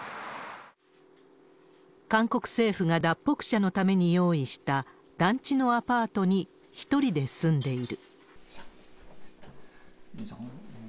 韓国政府が脱北者のために用意した、団地のアパートに１人で住んでいる。